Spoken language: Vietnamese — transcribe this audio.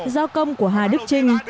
do công của hà đức trinh